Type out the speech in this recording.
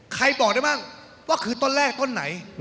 บอกได้มั่งว่าคือต้นแรกต้นไหน